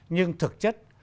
nhưng thực chất